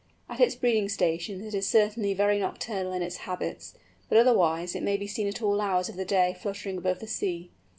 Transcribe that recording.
At its breeding stations it is certainly very nocturnal in its habits, but otherwise it may be seen at all hours of the day fluttering above the sea.